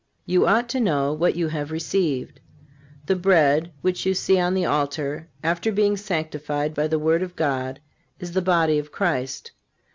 You ought to know what you have received. The bread which you see on the altar, after being sanctified by the word of God, is the body of Christ.